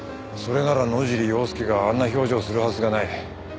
それなら野尻要介があんな表情するはずがない。